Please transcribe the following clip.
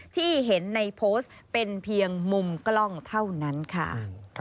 ที่เห็นในโพสต์เป็นเพียงมุมกล้องเท่านั้นค่ะ